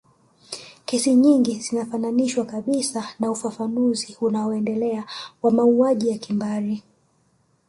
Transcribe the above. Kesi nyingi zinafananishwa kabisa na ufafanuzi unao endelea wa mauaji ya kimbari